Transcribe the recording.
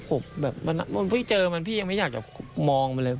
ผมแบบมันเพิ่งเจอมันพี่ยังไม่อยากจะมองมันเลย